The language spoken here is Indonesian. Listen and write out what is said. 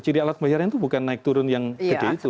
ciri alat pembayaran itu bukan naik turun yang gede itu